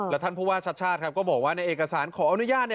แล้วท่านภูวาชัชชาติครับก็บอกว่าในเอกสารขออนุญาต